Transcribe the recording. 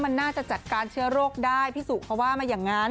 มันน่าจะจัดการเชื้อโรคได้พี่สุเขาว่ามาอย่างนั้น